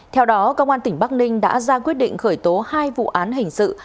theo đó công an tỉnh bắc ninh đã ra quyết định khởi tố hai vụ án hình sự